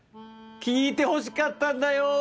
聞いてほしかったんだよ。